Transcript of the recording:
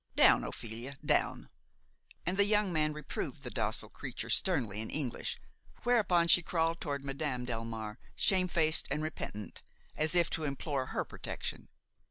"Down, Ophelia, down!" And the young man reproved the docile creature sternly in English, whereupon she crawled toward Madame Delmare, shamefaced and repentant, as if to implore her protection.